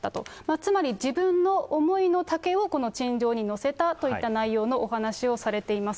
つまり自分の思いのたけを、この陳情に載せたといった内容のお話をされています。